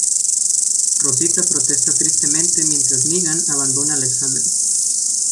Rosita protesta tristemente mientras Negan abandona Alexandría.